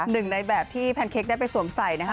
หนึ่งในแบบที่แพนเค้กได้ไปสวมใส่นะคะ